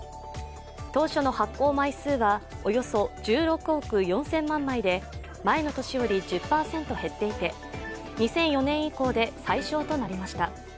当初の発行枚数はおよそ１６億４０００万枚で前の年より１０％減っていて２００４年以降で最小となりました